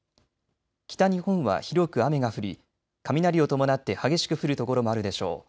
北日本は広く雨が降り雷を伴って激しく降る所もあるでしょう。